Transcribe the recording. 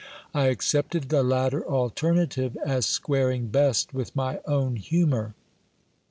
I accepted the latter alternative, as squaring best with my own humour.